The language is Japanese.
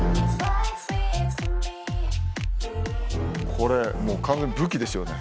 これもう完全武器ですよね。